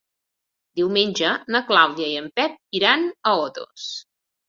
Diumenge na Clàudia i en Pep iran a Otos.